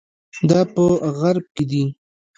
دا په غرب کې دي.